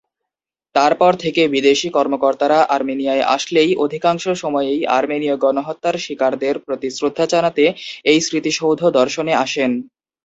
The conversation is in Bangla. তার পর থেকে বিদেশী কর্মকর্তারা আর্মেনিয়ায় আসলেই অধিকাংশ সময়েই আর্মেনীয় গণহত্যার শিকারদের প্রতি শ্রদ্ধা জানাতে এই স্মৃতিসৌধ দর্শনে আসেন।